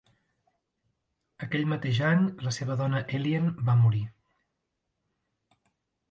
Aquell mateix any, la seva dona Eileen va morir.